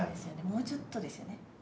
もうちょっとですよね